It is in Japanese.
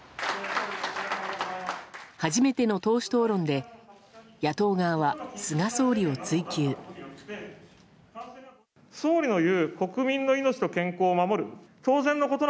初めての党首討論で野党側は菅総理を追及。